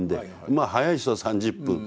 まあ早い人は３０分。